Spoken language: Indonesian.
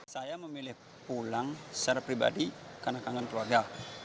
saya memilih pulang secara pribadi karena kangen keluarga